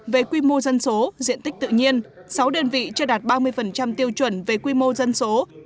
về quy mô dân số diện tích tự nhiên sáu đơn vị chưa đạt ba mươi tiêu chuẩn về quy mô dân số